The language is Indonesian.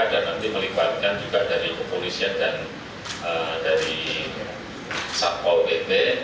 dan nanti melibatkan juga dari polisi dan dari sapo pt